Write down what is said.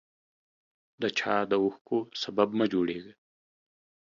د چا د اوښکو سبب مه جوړیږه